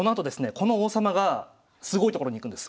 この王様がすごい所に行くんです。